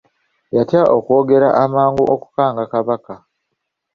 Yatya okugwogera amangu okukanga Kabaka.